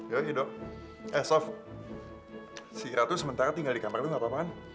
ya gitu eh sof si ratu sementara tinggal di kamar lo gak apa apaan